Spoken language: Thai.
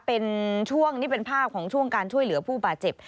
เป็นช่วงนี้เป็นภาพของช่วงการช่วยเหลือผู้บาดเจ็บ